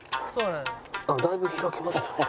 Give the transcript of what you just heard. あっだいぶ開きましたね。